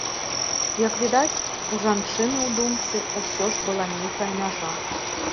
Як відаць, у жанчыны ў думцы ўсё ж была нейкая мяжа.